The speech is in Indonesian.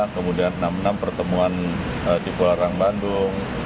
kemudian enam puluh enam pertemuan cipularang bandung